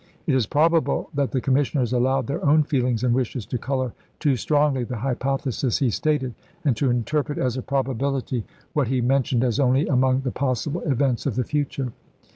It is probable that the commissioners allowed their own feelings and wishes to color too strongly the hypothesis he stated, and to interpret as a probability what 126 ABRAHAM LINCOLN chap. vi. he mentioned as only among the possible events of the future.